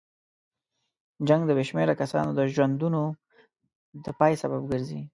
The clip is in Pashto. جنګ د بې شمېره کسانو د ژوندونو د پای سبب ګرځي.